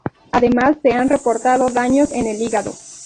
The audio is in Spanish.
Además se han reportado daños en el hígado.